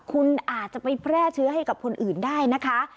คุณอาจจะไปแพร่เชื้อให้กับคนอื่นได้นะคะ